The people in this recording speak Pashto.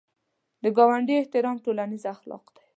د ګاونډي احترام ټولنیز اخلاق دي